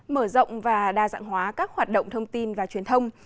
mở rộng và đa dạng hóa các hoạt động thông tin và truyền thông